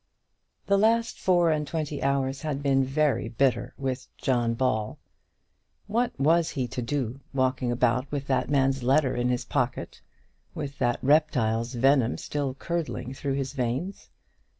The last four and twenty hours had been very bitter with Sir John Ball. What was he to do, walking about with that man's letter in his pocket with that reptile's venom still curdling through his veins?